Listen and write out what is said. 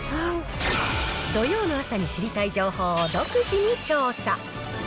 土曜の朝に知りたい情報を独自に調査。